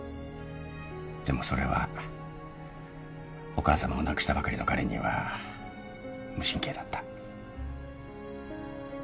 でもそれはお母さまを亡くしたばかりの彼には無神経だった。